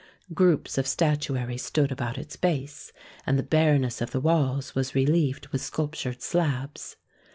Groups of statuary stood about its base, and the bareness of the walls was relieved with sculptured slabs.